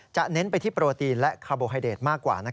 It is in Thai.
เน้นไปที่โปรตีนและคาร์โบไฮเดทมากกว่า